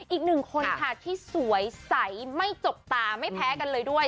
อีกหนึ่งคนค่ะที่สวยใสไม่จกตาไม่แพ้กันเลยด้วย